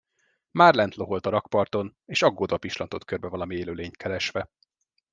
Már lent loholt a rakparton, és aggódva pislantott körbe valami élőlényt keresve.